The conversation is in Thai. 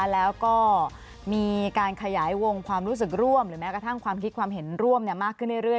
แล้วก็มีการขยายวงความรู้สึกร่วมหรือแม้กระทั่งความคิดความเห็นร่วมมากขึ้นเรื่อย